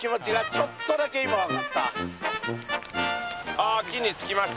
ああ木につきました。